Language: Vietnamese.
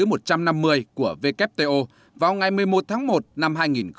việt nam trở thành thành viên thứ một trăm năm mươi một của wto vào ngày một mươi một tháng một năm hai nghìn bảy